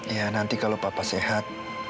ya nanti kalau papa sehat